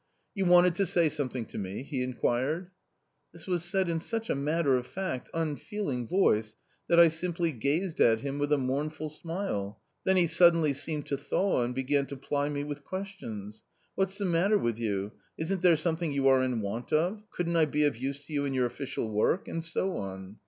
"You wanted to say something to me ?" he inquired. This was said in such a matter of fact, unfeeling voice that I simply gazed at him with a mournful smile. Then he suddenly seemed to thaw and began to ply me with questions :* What's the matter with you ? isn't there something you are in want of ? Couldn't I be of use to you in your official work ?'— and so on.